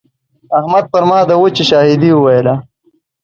احمد پر ما د وچې شاهدي وويله.